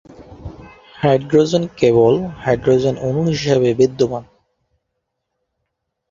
উদাহরণস্বরূপ, হাইড্রোজেন কেবল হাইড্রোজেন অণু হিসাবে বিদ্যমান।